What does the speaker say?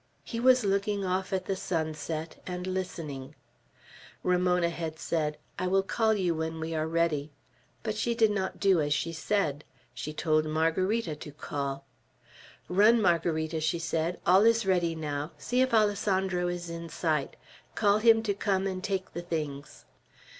He was looking off at the sunset, and listening. Ramona had said, "I will call you when we are ready." But she did not do as she said. She told Margarita to call. "Run, Margarita," she said. "All is ready now; see if Alessandro is in sight. Call him to come and take the things."